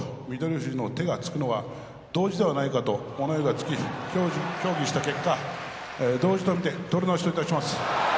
富士のつくのが同時ではないかと物言いがつき協議した結果、同時と見て取り直しといたします。